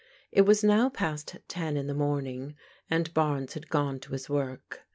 It was now past ten in the morning, and Barnes had gone to his work.